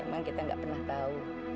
memang kita nggak pernah tahu